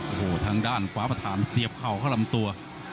โอ้โหทางด้านขวาประธานเสียบเข่าเข้าลำตัว